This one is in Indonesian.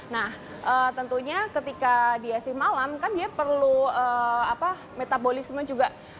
nah tentunya ketika dia si malam kan dia perlu metabolisme juga